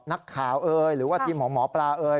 นักข่าวเอ่ยหรือว่าทีมของหมอปลาเอ่ย